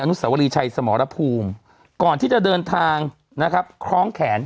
นุสวรีชัยสมรภูมิก่อนที่จะเดินทางนะครับคล้องแขน